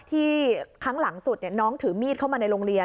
ครั้งหลังสุดน้องถือมีดเข้ามาในโรงเรียน